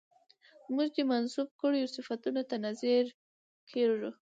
موږ دې منسوب کړيو صفتونو ته نه ځير کېږو